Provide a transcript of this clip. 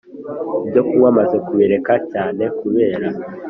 Ibyokunywa maze kubireka cyane kubera